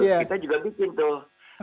kita juga bikin tuh